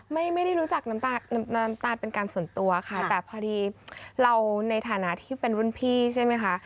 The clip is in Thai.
ไม่ได้รู้จักน้ำตาลน้ำตาลเป็นการส่วนตัวค่ะแต่พอดีเราในฐานะที่เป็นรุ่นพี่ใช่ไหมคะ